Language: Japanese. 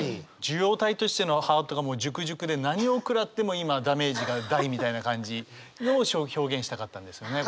受容体としてのハートがもうジュクジュクで何を食らっても今ダメージが大みたいな感じのを表現したかったんですね